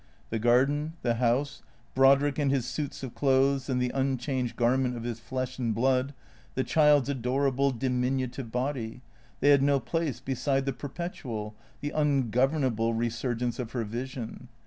The garden, the house, Brodrick and his suits of clothes and the un changed garment of his flesh and blood, the child's adorable, diminutive body, they had no place beside the perpetual, the ungovernable resurgence of her vision.